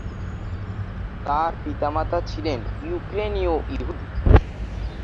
তার পিতামাতা ছিলেন ইউক্রেনীয় ইহুদি।